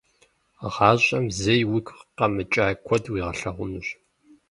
Гъащӏэм зэи уигу къэмыкӏа куэд уигъэлъагъунущ.